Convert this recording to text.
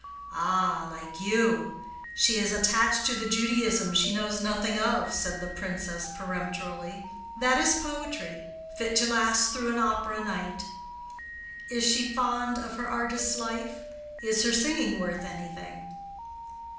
"Ah, like you. She is attached to the Judaism she knows nothing of," said the Princess, peremptorily. "That is poetry—fit to last through an opera night. Is she fond of her artist's life—is her singing worth anything?"